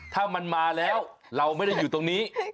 ถ้ามันมาแล้วเราไม่ได้อยู่ตรงนี้